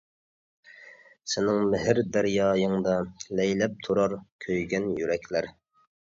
سېنىڭ مېھىر دەريايىڭدا لەيلەپ تۇرار كۆيگەن يۈرەكلەر.